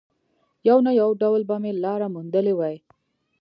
يو نه يو ډول به مې لاره موندلې وای.